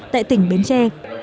tại tỉnh bến tre